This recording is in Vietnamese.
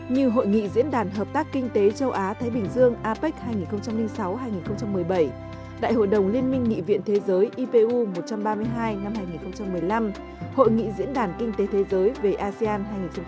như hội nghị diễn đàn hợp tác kinh tế châu á thái bình dương apec hai nghìn sáu hai nghìn một mươi bảy đại hội đồng liên minh nghị viện thế giới ipu một trăm ba mươi hai năm hai nghìn một mươi năm hội nghị diễn đàn kinh tế thế giới về asean hai nghìn một mươi chín